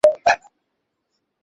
জেলখানায় বসে বানিয়েছিলাম।